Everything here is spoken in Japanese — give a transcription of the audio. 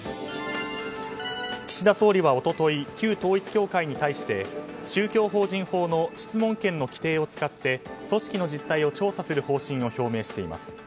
岸田総理は一昨日旧統一教会に対して宗教法人法の質問権の規定を使って組織の実態を調査する方針を表明しています。